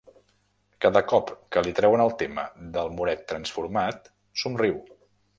Cada cop que li treuen el tema del moret transformat somriu.